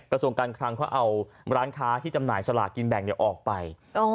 กระทรวงการคลังเขาเอาร้านค้าที่จำหน่ายสลากกินแบ่งออกไป